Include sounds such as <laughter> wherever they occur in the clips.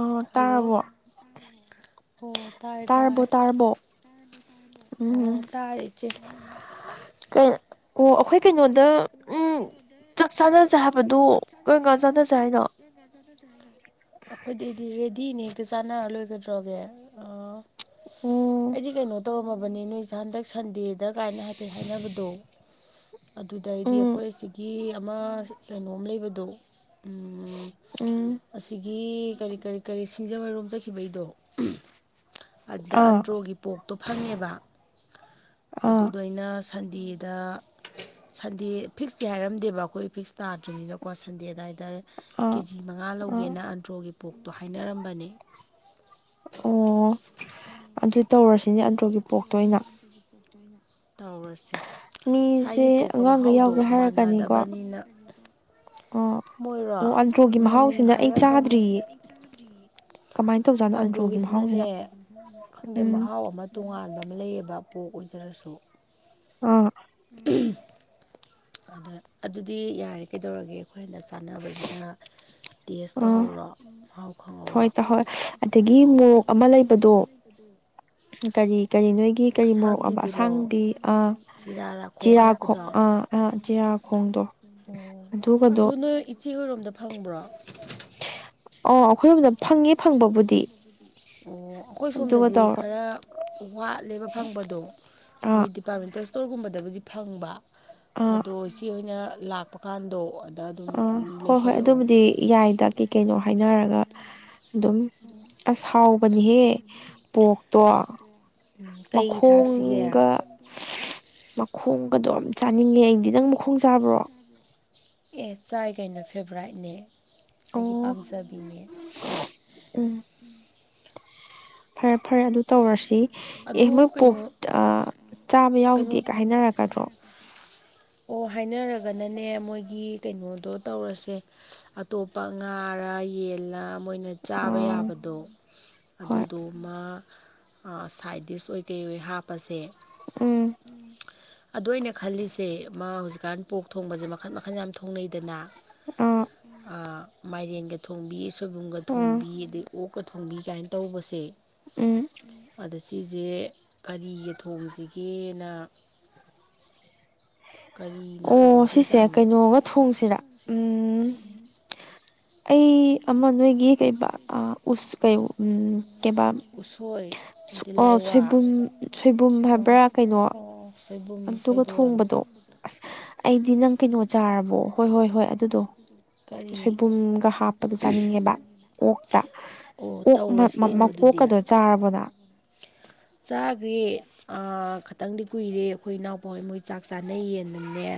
ꯑꫭ ꯇꯥꯔꯕꯣ꯫ ꯑꯣ ꯇꯔꯦ ꯇꯥꯑꯦ ꯑꯣ ꯇꯥꯔꯦ ꯏꯆꯦ꯫ ꯀꯩ ꯑꯣ ꯑꯩꯈꯣꯏ ꯀꯩꯅꯣꯗ ꯎꯝ ꯆꯥꯛ ꯆꯥꯅꯁꯦ ꯍꯥꯏꯕꯗꯨ ꯀꯔꯝ ꯀꯥꯟ ꯆꯥꯅꯁꯦ ꯍꯥꯏꯅꯣ꯫ ꯑꯩꯈꯣꯏꯗꯩꯗꯤ ꯔꯦꯗꯤꯅꯦ ꯍꯦꯛꯇ ꯆꯥꯟꯅꯔ ꯂꯣꯏꯒꯗ꯭ꯔꯣꯒꯦ ꯑꯥ꯫ ꯑꯩꯗꯤ ꯀꯩꯅꯣ ꯇꯧꯔꯝꯃꯕꯅꯤ ꯅꯣꯏ ꯑ ꯍꯟꯗꯛ ꯁꯟꯗꯦꯗ ꯀꯥꯏꯅ ꯍꯥꯏꯐꯦꯠ ꯍꯥꯏꯅꯕꯗꯣ ꯑꯗꯨꯗ ꯑꯩꯗꯤ ꯑꯩꯈꯣꯏ ꯑꯁꯤꯒꯤ ꯑꯃ ꯀꯩꯅꯣꯝ ꯂꯩꯕꯗꯣ ꯎꯝ ꯑꯁꯤꯒꯤ ꯀꯔꯤ ꯀꯔꯤ ꯀꯔꯤ ꯁꯤꯡꯖꯃꯩꯔꯣꯝ ꯆꯠꯈꯤꯕꯩꯗꯣ ꯑꯗ ꯑꯟꯗ꯭ꯔꯣꯒꯤ ꯄꯣꯛꯇꯣ ꯐꯉꯦꯕ ꯑꯗꯨꯗꫭꯏꯅ ꯁ ꯁꯟꯗꯦꯗ ꯁꯟꯗꯦ ꯐꯤꯛꯁꯇꯤ ꯍꯥꯏꯔꯝꯗꯦꯕ ꯑꯩꯈꯣꯏ ꯐꯤꯛꯁ ꯇꯥꯗ꯭ꯔꯤꯅꯤꯅꯀꯣ ꯁꯟꯗꯦ ꯑꯗꯨꯋꯥꯏꯗ ꯀꯦꯖꯤ ꯃꯉꯥ ꯂꯧꯒꯦꯅ ꯑꯟꯗ꯭ꯔꯣꯒꯤ ꯄꯣꯛꯇꯣ ꯍꯥꯏꯅꯔꯝꯕꯅꯦ꯫ ꯑꯣ ꯑꯗꯨ ꯇꯧꯔꯁꯤꯅꯦ ꯑꯟꯗ꯭ꯔꯣꯒꯤ ꯄꯣꯛꯇꯣ ꯑꯣꯏꯅ꯫ <inaudible> ꯇꯧꯔꯁꯦ ꯁꯥꯏꯒꯤ ꯄꯣꯛꯀ ꯃꯍꯥꯎꯗꯣ ꯃꯥꯟꯅꯗꯕꯅꯤꯅ꯫ ꯃꯣꯏꯔꯣ ꯎꯝ ꯍꯥꯏꯔꯛꯀꯅꯤ꯫ ꯑꯟꯗ꯭ꯔꯣꯒꯤꯁꯤꯅꯅꯦ ꯈꯪꯗꯦ ꯃꯍꯥꯎ ꯑꯃ ꯇꯣꯉꯥꯟꯕ ꯑꯃ ꯂꯩꯌꯦꯕ ꯄꯣꯛ ꯑꯣꯏꯖꯔꯁꯨ ꯑ ꯎꯝ ꯑꯗ ꯑꯗꯨꯗꯤ ꯌꯥꯔꯦ ꯀꯩꯗꯧꯔꯒꯦ ꯑꯩꯈꯣꯏ ꯍꯟꯗꯛ ꯆꯥꯟꯅꯕꯁꯤꯗ ꯇꯦꯁ ꯇꯧꯍꯧꯔꯣ ꯑꯥꯎ ꯈꯪꯍꯧꯔ ꯀꯔꯤ ꯀꯔꯤ ꯅꯣꯏꯒꯤ ꯀꯔꯤ ꯃꯣꯔꯣꯛꯑꯕ ꯑꯁꯥꯡꯗꯤ ꯑꯥ ꯆꯤꯔꯈꯣꯡ ꯑꯥ ꯑꯥ ꯆꯤꯔꯈꯣꯡꯗꯣ ꯑꯗꯨꯒꯗꯣ ꯅꯣꯏ ꯏꯆꯦ ꯍꯣꯏꯔꯣꯝꯗ ꯐꯪꯕ꯭ꯔꯣ ꯑꯣ ꯑꯩꯈꯣꯏꯔꯣꯝꯗ ꯐꯪꯉꯦ ꯐꯪꯕꯕꯨꯗꯤ ꯑꯣ ꯑꯩꯈꯣꯏ ꯁꯣꯝꯗꯗꯤ ꯈꯔ ꯋꯥꯠꯂꯦꯕ ꯐꯪꯕꯗꯣ ꯃꯣꯏꯗꯤ ꯄꯔꯃꯤꯦꯟꯇꯦꯜ ꯏꯁꯇꯣꯔꯒꯨꯝꯕꯗꯕꯨꯖꯤ ꯐꯪꯕ ꯑꯗꯣ ꯁꯤ ꯑꯣꯏꯅ ꯂꯥꯛꯄ ꯀꯥꯟꯗꯣ ꯗ ꯑꯗꯨꯝ ꯂꯩꯁꯜꯂꯛꯑꯣ ꯌꯥꯏꯗ ꯀꯩ ꯀꯩꯅꯣ ꯍꯥꯏꯅꯔꯒ ꯑꯗꯨꯝ ꯑꯁꯥꯎꯕꯅꯤꯍꯦ ꯄꯣꯛꯇꯣ ꯃꯈꯣꯡꯒ ꯃꯈꯣꯡꯒꯗꯣ ꯑꯃꯝ ꯆꯥꯅꯤꯡꯉꯦ ꯑꯩꯗꯤ ꯅꯪ ꯃꯈꯣꯡ ꯆꯥꯕ꯭ꯔꯣ ꯑꯦ ꯆꯥꯏ ꯀꯩꯅꯣ ꯐꯦꯚꯣꯔꯥꯏꯠꯅꯦ ꯑꯩꯒꯤ ꯄꯥꯝꯖꯕꯤꯅꯦ ꯎꯝ ꯐꯔꯦ ꯐꯔꯦ ꯑꯗꯨ ꯇꯧꯔꯁꯤ ꯑꯦ ꯃꯣꯏ ꯄꯣꯛ ꯆꯥꯕ ꯌꯥꯎꯗꯦꯒ ꯍꯥꯏꯅꯔꯛꯒꯗ꯭ꯔꯣ ꯑꯣ ꯍꯥꯏꯅꯔꯒꯅꯅꯦ ꯃꯣꯏꯒꯤ ꯀꯩꯅꯣꯗꯣ ꯇꯧꯔꯁꯦ ꯑꯇꯣꯞꯄ ꯉꯥꯔꯥ ꯌꯦꯜꯂꯥ ꯃꯣꯏꯅ ꯆꯥꯕ ꯌꯥꯕꯗꯣ ꯑꯗꯨꯗꯣ ꯑꯃ ꯁꯥꯏꯠ ꯗꯤꯁ ꯑꯣꯏ ꯀꯩ ꯑꯣꯏ ꯍꯥꯞꯄꯁꯦ ꯎꯝ ꯑꯗ ꯑ ꯑꯣꯏꯅ ꯈꯜꯂꯤꯁꯦ ꯃꯥ ꯍꯧꯖꯤꯛꯀꯥꯟ ꯄꯣꯛ ꯊꯣꯡꯕꯁꯦ ꯃꯈꯜ ꯃꯈꯜ ꯌꯥꯝ ꯊꯣꯡꯅꯩꯗꯅ ꯑ ꯃꯥꯏꯔꯦꯟꯒ ꯊꯣꯡꯕꯤ ꯁꯣꯏꯕꯨꯝꯒ ꯊꯣꯡꯕꯤ ꯑꯗꯩ ꯑꯣꯛꯀ ꯊꯣꯡꯕꯤ ꯀꯥꯏꯅ ꯇꯧꯕꯁꯦ ꯎꯝ ꯑꯗ ꯁꯤꯁꯦ ꯀꯔꯤꯒꯤ ꯊꯣꯡꯁꯤꯒꯦꯅ ꯀꯒꯥꯔꯤꯅ ꯍꯥꯎꯗꯣꯏꯖꯥꯅ ꯑꯩ ꯑꯃ ꯅꯣꯏꯒꯤ ꯀꯩ ꯀꯩ ꯎ ꯀꯩꯕꯥ ꯁꯣꯏꯕꯨꯝ ꯁꯣꯏꯕꯨꯝ ꯍꯥꯏꯕ꯭ꯔꯥ ꯀꯩꯅꯣ ꯁꯣꯏꯕꯨꯡ ꯁꯣꯏꯗꯣꯟ ꯑꯗꯣ ꯑꯁ ꯑꯩꯗꯤ ꯅꯪ ꯀꯩꯅꯣ ꯆꯥꯔꯕꯣ ꯍꯣꯏ ꯍꯣꯏ ꯍꯣꯏ ꯑꯗꯨꯗꯣ ꯁꯣꯏꯕꯨꯝꯒ ꯍꯥꯞꯄꯗꯣ ꯆꯥꯅꯤꯡꯉꯦꯕ ꯑꯣꯛꯇ ꯑꯣ ꯃꯀꯣꯛꯀꯗꯣ ꯆꯥꯔꯕꯗ ꯆꯥꯈ꯭ꯔꯦ ꯈꯤꯇꯪꯗꯤ ꯀꯨꯏꯔꯦ ꯑꯩꯈꯣꯏ ꯏꯅꯥꯎꯄꯥꯍꯩ ꯃꯣꯏ ꯆꯥꯛ ꯆꯥꯅꯩ ꯌꯦꯟꯗꯅꯦ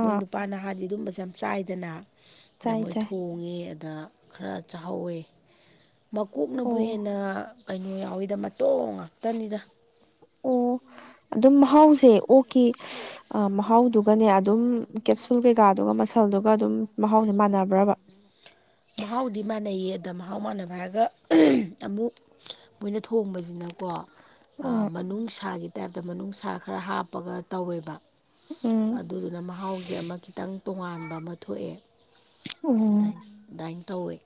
ꯃꯣꯏ ꯅꯨꯄꯥꯅ ꯍꯥꯏꯥꯟꯗꯤ ꯑꯗꯨꯝꯕꯁꯦ ꯌꯥꯝ ꯆꯥꯏꯗꯅ ꯗ ꯃꯣꯏ ꯊꯣꯡꯉꯦ ꯑꯗ ꯈꯔ ꯆꯥꯍꯧꯋꯦ ꯃꯀꯣꯛꯅꯕꯨ ꯍꯦꯟꯅ ꯀꯩꯅꯣ ꯌꯥꯎꯋꯤꯗ ꯃꯇꯣ ꯉꯥꯛꯇꯅꯤꯗ ꯑꯣ ꯑꯗꯨꯝ ꯃꯍꯥꯎꯁꯦ ꯑꯣ ꯀꯦ ꯑ ꯃꯍꯥꯎꯗꯨꯒꯅꯦ ꯑꯗꯨꯝ ꯀꯦꯞꯁꯨꯜ ꯀꯩꯀꯥꯗꯨꯒ ꯃꯁꯜꯗꯨꯒ ꯑꯗꯨꯝ ꯃꯍꯥꯎꯁ ꯃꯥꯟꯅꯕ꯭ꯔꯕ ꯃꯍꯥꯎꯗꯤ ꯃꯥꯟꯅꯩꯌꯦ ꯑꯗ ꯃꯍꯥꯎ ꯃꯥꯟꯅꯕ ꯍꯥꯏꯔꯒ ꯑꯃꯨꯛ ꯃꯣꯏꯅ ꯊꯣꯡꯕꯁꯤꯅꯀꯣ ꯃꯅꯨꯡꯅꯨꯡꯁꯥꯒꯤ ꯇꯥꯏꯞꯇ ꯃꯅꯨꯡꯅꯨꯡꯁꯥ ꯈꯔ ꯍꯥꯞꯄꯒ ꯇꯧꯋꯦꯕ ꯑꯗꯨꯗꯨꯅ ꯃꯍꯥꯎꯁꯦ ꯑꯃ ꯈꯤꯇꯪ ꯇꯣꯉꯥꯟꯕ ꯑꯃ ꯊꯣꯛꯑꯦ ꯑꯗꯨ ꯑꯗꯨꯃꯥꯏꯅ ꯇꯧꯋꯤ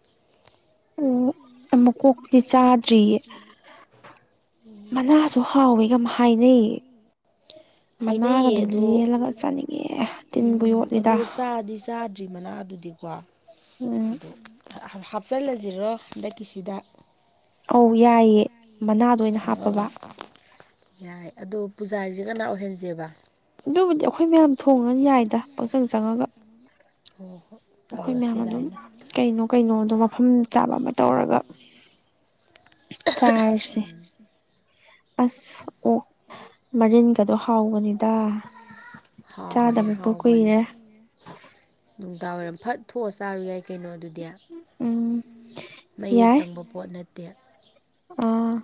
ꯑꯣ ꯃꯨꯛꯀꯣꯛꯇꯤ ꯆꯥꯗ꯭ꯔꯤꯌꯦ ꯃꯅꯥꯁꯨ ꯍꯥꯎꯋꯦꯒ ꯍꯥꯏꯅꯩꯌꯦ ꯃꯅꯥꯒ ꯑꯗꯨꯝ ꯂꯦꯜꯂꯒ ꯆꯠꯅꯤꯡꯉꯦ ꯇꯤꯟꯕꯨ ꯌꯣꯠꯂꯤꯗ ꯆꯥꯗ꯭ꯔꯤ ꯃꯅꯥ ꯑꯗꯨꯗꯤꯀꯣ ꯑꯗꯨ ꯍꯥꯞꯆꯤꯜꯂꯁꯤꯔꯣ ꯍꯟꯗꯛꯀꯤꯁꯤꯗ ꯑꯧ ꯌꯥꯏꯌꯦ ꯑꯣ ꯌꯥꯏ ꯑꯗꯣ ꯄꯨꯖꯥ ꯍꯥꯏꯔꯤꯁꯦ ꯀꯅꯥ ꯑꯣꯏꯍꯟꯁꯦꯕ ꯑꯗꯨꯕꯨꯗꯤ ꯑꯩꯈꯣꯏ ꯃꯌꯥꯝ ꯊꯣꯡꯉꯅꯤ ꯌꯥꯏꯗ ꯄꯪꯆꯪ ꯆꯪꯉꯒ ꯍ ꯍꯣꯏ ꯑꯩꯈꯣꯏ ꯃꯌꯥꯝ ꯑꯗꯨꯝ ꯀꯩꯅꯣ ꯀꯩꯅꯣꯗꯣ ꯃꯐꯝ ꯆꯥꯕ ꯑꯃ ꯇꯧꯔꯒ ꯆꯥꯔꯁꯦ ꯑꯁ ꯑꯣ ꯃꯔꯤꯟꯒꯗꯣ ꯍꯥꯎꯕꯅꯤꯗ ꯆꯥꯗꯕ ꯄꯣ ꯀꯨꯏꯔꯦ ꯅꯨꯡꯗꯥꯡꯋꯥꯏꯔꯝ ꯐꯠ ꯊꯣꯛꯑ ꯆꯥꯔꯨ ꯌꯥꯏ ꯀꯩꯅꯣ ꯑꯗꯨꯗꯤ ꯃꯌꯦꯛ ꯆꯪꯕ ꯄꯣꯠ ꯅꯠꯇꯦ ꯑ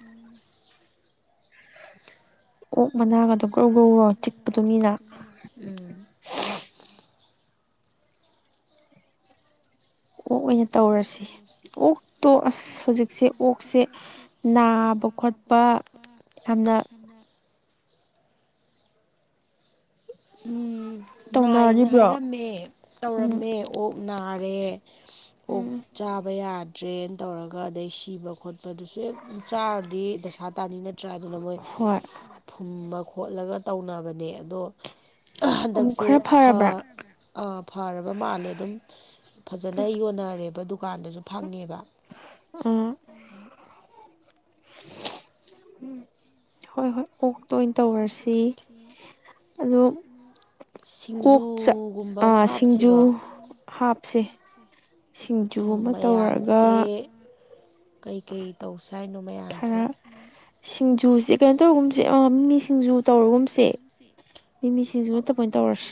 ꯑꯣꯛ ꯃꯅꯥꯒꯗꯣ ꯒ꯭ꯔꯧ ꯒ꯭ꯔꯧꯒ꯭ꯔꯣ ꯆꯤꯛꯄꯗꯨ ꯃꯤꯅ ꯎꯝ ꯑꯣꯛ ꯑꯣꯏꯅ ꯇꯧꯔꯁꯤ ꯎꯁ ꯑꯣꯛꯇꯣ ꯑꯁ ꯍꯧꯖꯤꯛꯁꯦ ꯑꯣꯛꯁꯦ ꯅꯥꯕ ꯈꯣꯠꯄ ꯌꯥꯝꯅ ꯎ ꯅꯥꯏꯌꯦꯅ ꯍꯥꯏꯔꯝꯃꯦ ꯇꯧꯔꯝꯃꯦ ꯑꯣꯛ ꯅꯥꯔꯦ ꯑꯣꯛ ꯆꯥꯕ ꯌꯥꯗ꯭ꯔꯦꯅ ꯇꯧꯔꯒ ꯑꯗꯩ ꯁꯤꯕ ꯈꯣꯠꯄ ꯗꯨꯁꯨ ꯍꯦꯛ ꯆꯥꯔꯗꯤ ꯗꯁꯥ ꯇꯥꯅꯤ ꯅꯠꯇ꯭ꯔꯥ ꯑꯗꯨꯅ ꯃꯣꯏ ꯐꯨꯝꯃ ꯈꯣꯠꯂꯒ ꯇꯧꯅꯕꯅꯦ ꯑꯗꯣ ꯍꯟꯗꯛꯁꯦ ꯐ ꯑꯥ ꯐꯔꯕ ꯃꯥꯜꯂꯦ ꯑꯗꯨꯝ ꯐꯖꯅ ꯌꯣꯟꯅꯔꯦꯕ ꯗꯨꯀꯥꯟꯗꯁꯨ ꯐꯪꯉꯦꯕ ꯑ ꯎꯝ ꯍꯣꯏ ꯍꯣꯏ ꯑꯣꯛꯇ ꯑꯣꯏꯅ ꯇꯧꯔꯁꯤ ꯑꯗꯣ ꯀꯣꯛ ꯁꯤꯡꯖꯨ ꯍꯥꯞꯁꯦ ꯁꯤꯡꯖꯨ ꯑꯃ ꯇꯧꯔꯒ ꯀꯩꯀꯩ ꯇꯧꯁꯦ ꯍꯥꯏꯅꯣ ꯃꯌꯥꯝꯁꯦ ꯁꯤꯡꯖꯨꯖꯤꯛꯂ ꯑꯗꯨ ꯍꯧꯖꯤꯛ ꯃꯤ ꯁꯤꯡꯖ ꯇꯧꯁꯦ ꯃꯤꯃꯤꯁꯤꯡꯁꯤꯅꯠꯇꯃꯣꯏꯅ ꯇꯧꯔꯁꯤ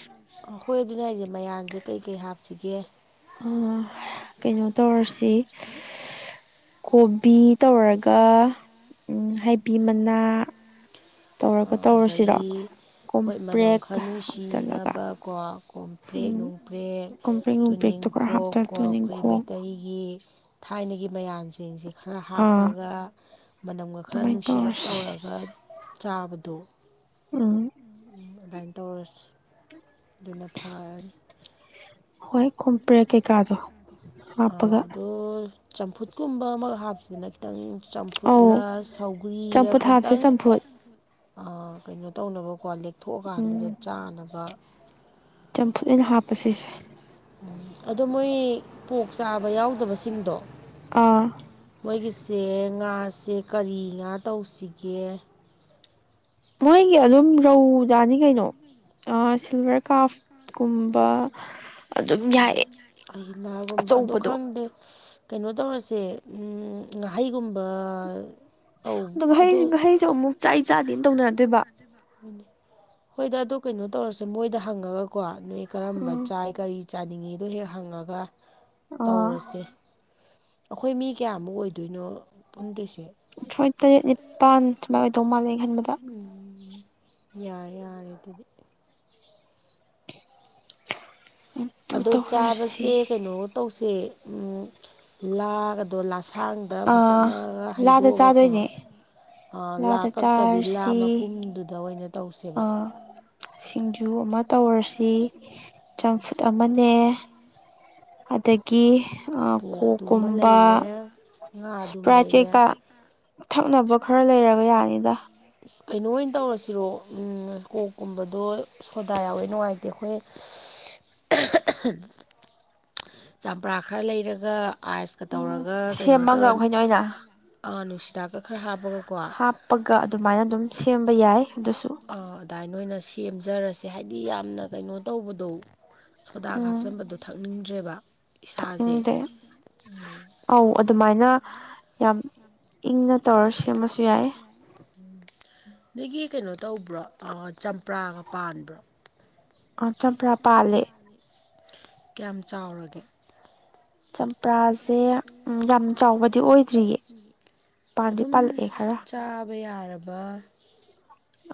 ꯑ ꯍꯣꯏ ꯑꯗꯨꯅꯦ ꯑꯩꯁꯦ ꯃꯌꯥꯟꯁꯦ ꯀꯩꯀꯩ ꯍꯥꯞꯁꯤꯒꯦ ꯀꯩꯅꯣ ꯇꯧꯔꯁꯤ ꯀꯣꯕꯤ ꯇꯧꯔꯒ ꯍꯩꯕꯤ ꯃꯅꯥ ꯑꯗꯒꯤ ꯍꯣꯏ ꯃꯅꯝ ꯈ ꯅꯨꯡ ꯁꯤꯅꯕꯀꯣ ꯀꯣ ꯄ꯭ꯔꯦꯛ ꯅꯨꯡꯄ꯭ꯔꯦꯛ ꯇꯨꯅꯤꯡꯈꯣꯛ ꯀꯣ ꯑꯩꯈꯣꯏ ꯃꯩꯇꯩ ꯆꯩꯒꯤ ꯊꯥꯏꯅꯒꯤ ꯃꯌꯥꯝꯁꯤꯡꯁꯦ ꯈꯔ ꯍꯥꯞꯄꯒ ꯃꯅꯝꯒ ꯈꯔ ꯅꯨꯡꯁꯤꯔꯞ ꯇꯧꯔꯒ ꯆꯥꯕꯗꯣ ꯎꯝ ꯑꯗꯨꯃꯥꯏꯅ ꯇꯧꯔꯁꯨ ꯑꯗꯨꯅ ꯐꯔꯅꯤ ꯍꯣꯏ ꯀꯣꯝꯄ꯭ꯔꯦ ꯀꯩꯀꯥꯗꯣ ꯍꯥꯞꯄꯒ ꯑꯗꯣ ꯆꯝꯐꯨꯠꯀꯨꯝꯕ ꯑꯃꯒ ꯍꯥꯞꯁꯤꯗꯅ ꯈꯤꯇꯪ ꯐꯨꯠꯂ ꯁꯧꯒ꯭ꯔꯤꯔ ꯈꯛꯇꯪ ꯀꯩꯅꯣ ꯇꯧꯅꯕꯀꯣ ꯊꯣꯛꯑꯀꯥꯟꯗꯨꯗ ꯆꯥꯅꯕ ꯑꯩꯅ ꯍꯥꯞꯄ ꯁꯤꯁꯦ ꯎꯝ ꯑꯗꯣ ꯃꯣꯏ ꯄꯣꯛ ꯆꯥꯕ ꯌꯥꯎꯗꯕꯁꯤꯡꯗꯣ ꯃꯣꯏꯒꯤꯁꯦ ꯉꯥꯁꯦ ꯀꯔꯤ ꯉꯥ ꯇꯧꯁꯤꯒꯦ ꯃꯣꯏꯒꯤ ꯑꯗꯨꯝ ꯔꯧ ꯑꯣꯖꯅꯤ ꯀꯩꯅꯣ ꯁꯤꯜꯚꯔ ꯀꯥꯐ ꯀꯨꯝꯕ ꯑ ꯂꯅꯥꯒꯨꯝꯕ ꯑꯗꯨ ꯈꯪꯗꯦ ꯀꯩꯅꯣ ꯇꯧꯔꯁꯦ ꯉꯥꯍꯩꯒꯨꯝꯕ ꯑꯗꯨꯒ ꯍꯩꯁꯨ ꯉꯍꯩꯁꯨ ꯑꯃꯨꯛ ꯆꯥꯛ ꯆꯥꯗꯦꯅ ꯇꯧꯅꯔꯗꯣꯏꯕ ꯍꯣꯏꯗ ꯑꯗꯣ ꯀꯩꯅꯣ ꯇꯧꯔꯁꯦ ꯃꯣꯏꯗ ꯍꯪꯉꯒꯀꯣ ꯅꯣꯏ ꯀꯔꯝꯕ ꯆꯥꯏ ꯀꯔꯤ ꯆꯥꯅꯤꯡꯉꯤꯗꯣ ꯍꯦꯛ ꯍꯪꯉꯒ ꯇꯧꯔꯁꯦ ꯑꯩꯈꯣꯏ ꯃꯤ ꯀꯌꯥꯃꯨꯛ ꯑꯣꯏꯗꯣꯏꯅꯣ ꯄꯨꯟꯗ꯭ꯣꯏꯁꯦ ꯑꯩꯣꯏ ꯇꯔꯦꯠ ꯅꯤꯄꯥꯟ ꯁꯨꯃꯥꯏꯅ ꯑꯣꯏꯗꯧ ꯃꯥꯜꯂꯦ ꯈꯟꯕꯗ ꯎꯝ ꯌꯥꯔꯦ ꯌꯥꯔꯦ ꯑꯗꯨꯗꯤ ꯎꯝ ꯑꯗꯣ ꯆꯥꯕꯁꯦ ꯀꯩꯅꯣ ꯇꯧꯁꯦ ꯂꯥꯒꯗꯣ ꯂ ꯊꯥꯡꯗ ꯐꯖꯅ ꯍꯩꯗꯣꯛꯑꯒꯀꯣ ꯂꯥꯈ ꯀꯛꯇꯕꯤ ꯂꯥꯈ ꯃꯄꯨꯝꯗꯨꯗ ꯑꯣꯏꯅ ꯇꯧꯁꯦꯕ ꯁꯤꯡꯖꯨ ꯑꯃ ꯇꯧꯔꯁꯤ ꯆꯝꯐꯨꯠ ꯑꯃꯅꯦ ꯑ ꯀ ꯀꯣꯛꯣꯛꯀꯨꯝꯕ ꯏꯁꯄ꯭ꯔꯥꯏꯠ ꯀꯩꯀꯥ ꯊꯛꯅꯕ ꯈꯔ ꯂꯩꯔꯒ ꯌꯥꯅꯤꯗ ꯀꯩꯅꯣ ꯑꯣꯏꯅ ꯇꯧꯔꯁꯤꯔꯣ ꯀꯣꯛꯀꯨꯝꯕꯗꯣ ꯁꯣꯗꯥ ꯌꯥꯎꯋꯦ ꯅꯨꯡꯉꯥꯏꯇꯦ ꯑꯩꯈꯣꯏ <unintelligible> ꯆꯝꯄ꯭ꯔꯥ ꯈꯔ ꯂꯩꯔꯒ ꯑꯥꯏꯁꯀ ꯇꯧꯔꯒ ꯀꯩꯅꯣ ꯇꯧꯔ ꯑꯥ ꯅꯨꯡꯁꯤꯗꯥꯛꯀ ꯈꯔ ꯍꯥꯞꯄꯒ ꯍꯥꯞꯄꯒ ꯑꯗꯨꯃꯥꯏꯅ ꯑꯗꯨꯝ ꯁꯦꯝꯕ ꯌꯥꯏ ꯑꯗꯨꯁꯨ ꯑꯥ ꯑꯗꯨꯗꯥꯥꯏ ꯅꯣꯏ ꯑꯣꯏꯅ ꯁꯦꯝꯖꯔꯁꯦ ꯍꯥꯏꯗꯤ ꯌꯥꯝꯅ ꯀꯩꯅꯣ ꯇꯧꯕꯗꯣ ꯁꯣꯗꯥꯒ ꯍꯥꯞꯆꯟꯕꯗꯣ ꯊꯛꯅꯤꯡꯗ꯭ꯔꯦꯕ ꯏꯁꯥꯁꯦ ꯑꯧ ꯑꯗꯨꯃꯥꯏꯅ ꯌꯥꯝ ꯏꯪꯅ ꯇꯧꯔ ꯁꯦꯝꯃꯁꯨ ꯌꯥꯏ ꯅꯣꯏꯒꯤ ꯀꯩꯅꯣ ꯇꯧꯕ꯭ꯔꯣ ꯆꯝꯄ꯭ꯔꯥꯒ ꯄꯥꯟꯕ꯭ꯔꯣ ꯑꯣ ꯆꯝꯄ꯭ꯔꯥ ꯄꯥꯜꯂꯦ ꯫ ꯀꯌꯥꯝ ꯆꯥꯎꯔꯒꯦ ꯆꯝꯄꯔꯥꯁꯦ ꯌꯥꯝ ꯆꯥꯎꯕꯗꯤ ꯑꯣꯏꯗ꯭ꯔꯤꯌꯦ ꯄꯥꯟꯗꯤ ꯄꯜ ꯑꯦꯈꯔ ꯆꯥꯕ ꯌꯥꯔꯕ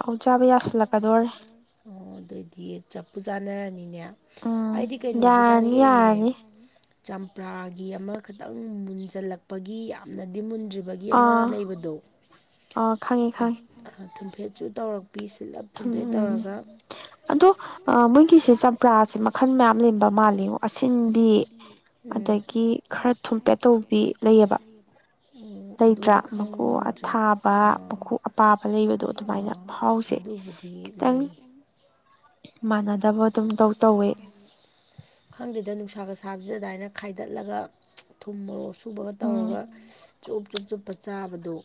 ꯑꯧ ꯆꯥꯕ ꯌꯥꯁꯤꯜꯂꯛꯀꯗꯣꯔꯦ ꯑꯣ ꯑꯗꯨꯑꯣꯏꯗꯤ ꯆꯞꯄꯨ ꯆꯥꯟꯅꯔꯅꯤꯅꯦ ꯑꯩꯗꯤ ꯀꯩꯅꯣꯕꯨꯖꯥꯅꯤꯉ ꯑꯩꯅꯦ ꯆꯝꯄ꯭ꯔꯥꯒꯤ ꯑꯃꯈꯇꯪ ꯃꯨꯟꯁꯤꯜꯂꯛꯄꯒꯤ ꯌꯥꯝꯅꯗꯤ ꯃꯨꯟꯗ꯭ꯔꯤꯕꯒꯤ ꯒꯤ ꯑꯃ ꯂꯩꯕꯗꯣ ꯑ ꯈꯉꯦ ꯈꯪꯉꯦ ꯊꯨꯝꯐꯦꯠꯁꯨ ꯇꯧꯔꯛꯄꯤ ꯁꯤꯜꯂꯞ ꯎꯝ ꯑꯗꯨꯗꯣ ꯃꯣꯏꯒꯤꯁꯦ ꯆꯝꯄ꯭ꯔꯥꯁꯦ ꯃꯈꯜ ꯃꯌꯥꯝ ꯂꯩꯕ ꯃꯥꯜꯂꯤ ꯑꯁꯤꯟꯕꯤ ꯎꯝ <unintelligible> ꯎꯝ ꯑꯗꯨꯗꯤ ꯈꯪꯗ꯭ꯔꯦ ꯑꯥ ꯑꯥ ꯑꯗꯨꯕꯨ ꯗꯤ ꯂꯩ ꯃꯥꯟꯅꯗꯕ ꯑꯗꯨꯝ ꯇꯧ ꯇꯧꯋꯦ ꯈꯪꯗꯦꯗ ꯅꯨꯡꯁꯥꯒ ꯁꯥꯕꯁꯤꯗ ꯑꯗꯥꯏꯅ ꯈꯥꯏꯗꯠꯂꯒ ꯊꯨꯝ ꯃꯣꯔꯣꯛꯁꯨ ꯎꯕꯒ ꯇꯧꯔꯒ ꯆꯨꯞ ꯆꯨꯞ ꯆꯨꯞꯄ ꯆꯥꯕꯗꯣ ꯎꯝ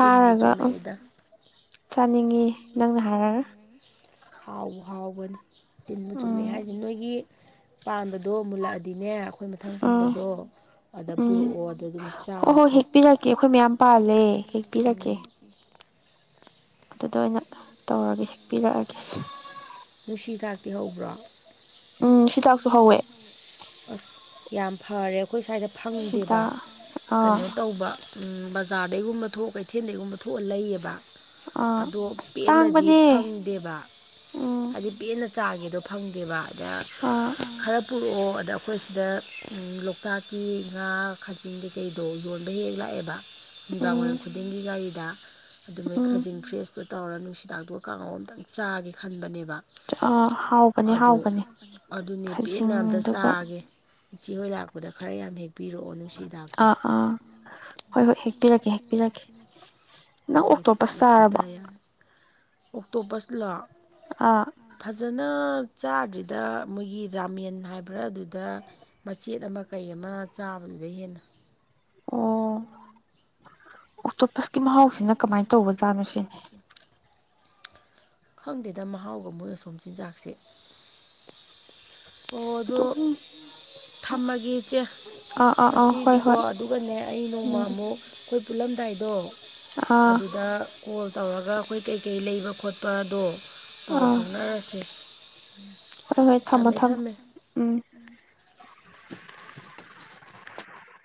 ꯇꯤꯟꯕꯨ ꯆꯨꯝꯃꯑꯦꯗꯥ ꯍꯥꯎꯕꯨ ꯍꯥꯎꯕꯅꯤ ꯇꯤꯟꯕꯨ ꯆꯨꯝꯃꯦ ꯍꯥꯏꯖꯦ ꯅꯣꯏꯒꯤ ꯄꯥꯟꯕꯗꯣ ꯃꯨꯜꯂꯛꯑꯗꯤꯅꯦ ꯈꯣꯏ ꯃꯊꯪ ꯄꯨꯟꯕꯗꯣ ꯑꯗ ꯄꯨꯔꯣꯛꯑꯣ ꯑꯗ ꯑꯗꯨꯝ ꯆꯥꯁꯦ ꯀꯦ ꯑꯈꯣꯏ ꯃꯌꯥꯝ ꯄꯥꯜꯂꯦ ꯍꯦꯛꯄꯤꯔꯛꯀꯦ ꯑꯗꯨꯗ ꯑꯣꯏꯅ ꯇꯧꯔꯒ ꯍꯦꯛꯄꯤꯔꯛꯑꯒꯦꯁꯦ ꯅꯨꯡꯁꯤ ꯍꯤꯗꯥꯛꯇꯤ ꯍꯧꯕ꯭ꯔꯣ ꯑꯁ ꯌꯥꯝ ꯐꯔꯦ ꯑꯈꯣꯏ ꯁ꯭ꯋꯥꯏꯗ ꯐꯪꯗꯦꯕ ꯀꯩꯅꯣ ꯇꯧꯕ ꯎꯝ ꯕꯖꯥꯔꯗꯩꯒꯨꯝꯕ ꯊꯣꯛ ꯀꯩꯊꯦꯟꯗꯩꯒꯨꯝꯕ ꯊꯣꯛꯑ ꯂꯩꯌꯦꯕ ꯑꯗꯣ ꯄꯦꯟꯅꯗꯤ ꯐꯪꯗꯦꯕ ꯍꯥꯏꯗꯤ ꯄꯦꯟꯅ ꯆꯥꯒꯦꯗꯣ ꯐꯪꯗꯦꯕ ꯑꯗ ꯈꯔ ꯄꯨꯔꯛꯑꯣ ꯑꯗ ꯑꯈꯣꯏ ꯁꯤꯗ ꯂꯣꯛꯇꯥꯛꯀꯤ ꯉꯥ ꯈꯥꯖꯤꯡ ꯀꯩ ꯀꯩ ꯇꯣ ꯌꯣꯟꯕ ꯍꯦꯛ ꯍꯦꯛ ꯂꯥꯛꯑꯦꯕ ꯅꯨꯡꯗꯥꯡ ꯋꯥꯏꯔꯝ ꯈꯨꯗꯤꯡꯒꯤ ꯒꯥꯔꯤꯗ ꯑꯗꯨ ꯃꯣꯏ ꯈꯥꯖꯤꯡ ꯐ꯭ꯔꯦꯁꯇꯣ ꯇꯧꯔ ꯅꯨꯡꯁꯤꯍꯤꯗꯥꯛꯇꯨꯒ ꯀꯥꯡꯉꯧ ꯑꯝꯇꯪ ꯆꯥꯒꯦ ꯈꯟꯕꯅꯦꯕ ꯑꯗꯨ ꯑꯗꯨꯅꯦ ꯄꯦꯟꯅ ꯑꯝꯇ ꯆꯥꯒꯦ ꯏꯆꯦꯍꯣꯏ ꯂꯥꯛꯄꯗ ꯈꯔ ꯌꯥꯝ ꯍꯦꯛꯄꯤꯔꯛꯑꯣ ꯑꯥ ꯑꯥ ꯍꯣꯏ ꯍꯣꯏ ꯍꯦꯛꯄꯤꯔꯛꯀꯦ ꯍꯦꯛꯄꯤꯔꯛꯀꯦ ꯑꯗꯨꯒ ꯐꯖꯅ ꯐꯨꯊ ꯌꯥꯔꯦ ꯑꯣꯛꯇꯣꯄꯁ ꯂꯣ ꯑꯥ ꯐꯖꯅ ꯆꯥꯗ꯭ꯔꯤꯗ ꯃꯣꯏꯒꯤ ꯔꯥꯃꯦꯟ ꯍꯥꯏꯕ꯭ꯔꯥ ꯑꯗꯨꯗ ꯃꯆꯦꯠ ꯑꯃ ꯀꯩ ꯑꯃ ꯆꯥꯕꯗꯨꯗꯩ ꯍꯦꯟꯅ ꯑꯣꯛꯇꯣꯄꯁꯀꯤ ꯃꯍꯥꯎꯁꯤꯅ ꯀꯃꯥꯏ ꯇꯧꯕ ꯖꯥꯠꯅꯣ ꯁꯤꯅꯤ ꯈꯪꯗꯦꯗ ꯃꯍꯥꯎꯒ ꯃꯣꯏ ꯑꯁꯣꯝ ꯆꯤꯟꯖꯥꯛꯁꯦ ꯑꯣ ꯑꯗꯣ ꯊꯝꯃꯒꯦ ꯏꯆꯦ ꯉꯁꯤꯗꯤꯀꯣ ꯑꯗꯨꯒꯅꯦ ꯑꯩ ꯅꯣꯡꯃ ꯑꯃꯨꯛ ꯈꯣꯏ ꯄꯨꯜꯂꯝꯗꯥꯏꯗꯣ ꯑꯗꯨꯗ ꯀꯣꯜ ꯇꯧꯔꯒ ꯑꯈꯣꯏ ꯀꯩꯀꯩ ꯂꯩꯕ ꯈꯣꯠ ꯄꯗꯣ ꯄꯥꯎ ꯐꯥꯎꯅꯔꯁꯤ ꯊꯝꯃꯦ